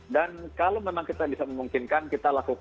dan kalau memang kita bisa memungkinkan kita lakukan c